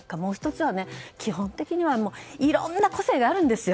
もう１つは、基本的にはいろいろな個性があるんですよ。